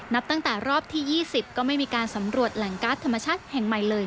นับตั้งแต่รอบที่๒๐ก็ไม่มีการสำรวจแหล่งการ์ดธรรมชาติแห่งใหม่เลย